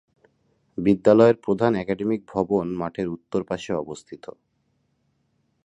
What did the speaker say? বিদ্যালয়ের প্রধান একাডেমিক ভবন মাঠের উত্তর পাশে অবস্থিত।